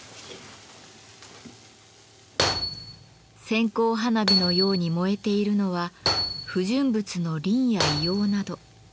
線香花火のように燃えているのは不純物のリンや硫黄など。